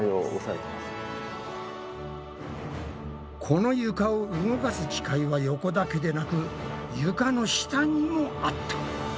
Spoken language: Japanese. この床を動かす機械は横だけでなく床の下にもあった。